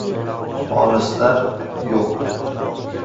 Olislar yo‘q.